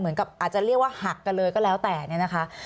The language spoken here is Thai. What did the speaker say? เหมือนกับอาจจะเรียกว่าหักกันเลยก็แล้วแต่นี่นะคะ